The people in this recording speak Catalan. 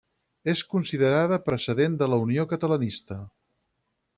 És considerada precedent de la Unió Catalanista.